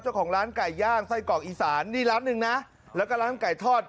เจ้าของร้านไก่ย่างไส้กรอกอีสานนี่ร้านหนึ่งนะแล้วก็ร้านไก่ทอด